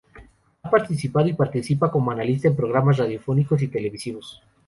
Ha participado, y participa, como analista en programas radiofónicos y televisivos.